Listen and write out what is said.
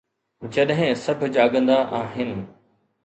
جڏهن سڀ جاڳندا آهن